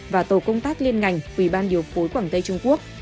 và tổ công tác liên ngành ủy ban điều phối quảng tây trung quốc